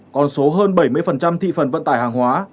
còn số hơn bảy mươi thị phần vận tải hàng hóa